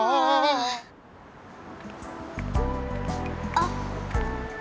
あっ。